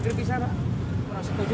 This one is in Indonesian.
hari ini dibawa dari pemerintah kota depok itu